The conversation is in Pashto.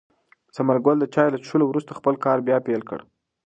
ثمر ګل د چای له څښلو وروسته خپل کار بیا پیل کړ.